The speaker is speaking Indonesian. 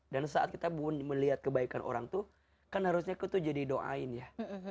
dan saat kita melihat kebaikan orang tuh kan harusnya kita jadi doain ya